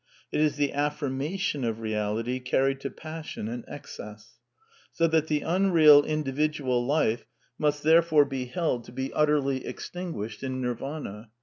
It is the affirmation of Reality carried to passion and excess. So that the unreal individual life must therefore be held to be utterly extinguished in Nirvana.